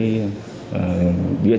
hoạt động của đối tượng